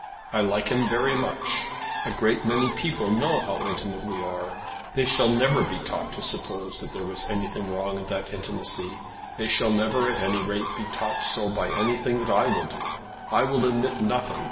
I like him very much. A great many people know how intimate we are. They shall never be taught to suppose that there was anything wrong in that intimacy. They shall never, at any rate, be taught so by anything that I will do. I will admit nothing.